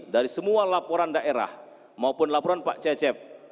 dari semua laporan daerah maupun laporan pak cecep